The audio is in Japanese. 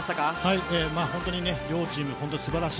本当に両チーム素晴らしい。